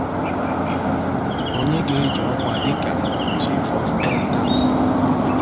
onye ga-eji ọkwa dịka 'Chief of Air Staff'.